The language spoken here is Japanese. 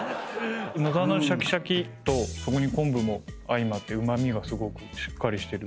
野沢菜のシャキシャキとそこに昆布も相まってうま味がすごくしっかりしてる。